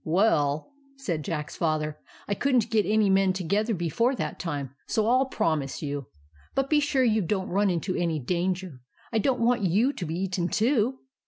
" Well," said Jack's Father, " I could n't get any men together before that time, so I'll promise you. But be sure you don't run into any danger. I don't want you to be eaten, too."